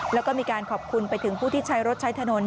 แล้วก็มีการขอบคุณไปถึงผู้ที่ใช้รถใช้ถนน